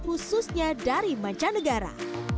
khususnya dari mancanegara